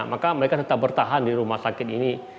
maka mereka tetap bertahan di rumah sakit ini